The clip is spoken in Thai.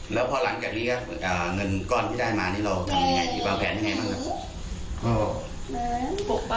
แล้วพอหลังจากนี้ครับเงินก้อนที่ได้มานี่เราทำยังไงวางแผนยังไงบ้างครับ